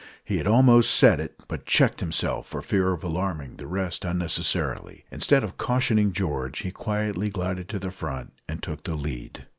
He had almost said it, but checked himself for fear of alarming the rest unnecessarily. Instead of cautioning George, he quietly glided to the front, and took the lead.